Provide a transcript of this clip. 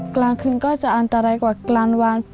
กลางคืนก็จะอันตรายกว่ากลางวัน